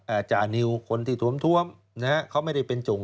อ่าจ่านิวคนที่ถวมนะครับเขาไม่ได้เป็นจง